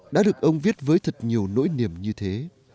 đã được ông viết với thật nhiều nỗi niềm như thế